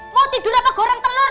mau tidur apa goreng telur